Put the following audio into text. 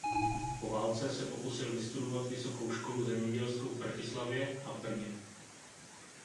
Po válce se pokusil vystudovat vysokou školu zemědělskou v Bratislavě a v Brně.